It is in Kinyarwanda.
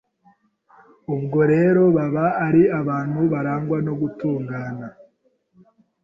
Ubwo rero baba ari abantu barangwa no gutungana